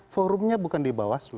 forumnya bukan di bawaslu